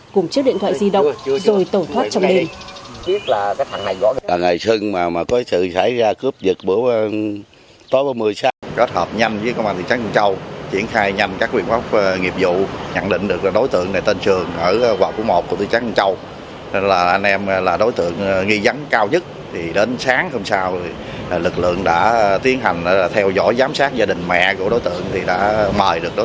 cùng chiếc điện thoại di động rồi tẩu thoát trong đêm